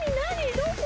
どこ！？